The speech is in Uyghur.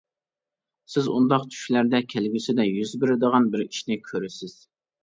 سىز ئۇنداق چۈشلەردە كەلگۈسىدە يۈز بېرىدىغان بىر ئىشنى كۆرىسىز.